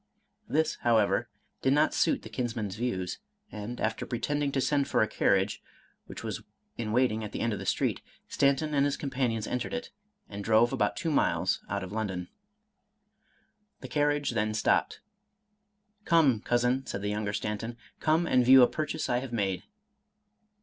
This, however, did not s;iit the kinsman's views; and, after pretending to send for a carriage (which was in waiting at the end of the street), Stanton and his companions entered it, and drove about two miles out of London. The carriage then stopped. Come, Cousin," said the younger Stanton, —" come and view a purchase I have made."